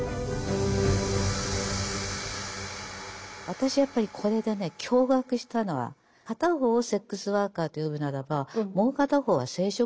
私やっぱりこれでね驚愕したのは片方をセックスワーカーと呼ぶならばもう片方は生殖労働者。